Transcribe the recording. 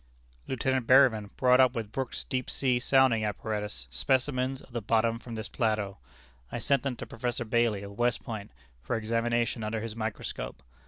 "Lieutenant Berryman brought up with Brooke's deep sea sounding apparatus specimens of the bottom from this plateau. I sent them to Professor Bailey, of West Point, for examination under his microscope.